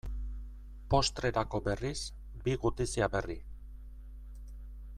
Postrerako berriz, bi gutizia berri.